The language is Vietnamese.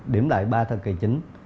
điểm đại ba thời kỳ chính